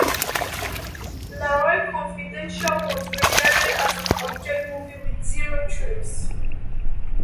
Lahore confidential was regarded as an abject movie with zero thrills.